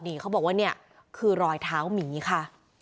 นี่เขาบอกว่าเนี่ยคือรอยเท้าหมีค่ะ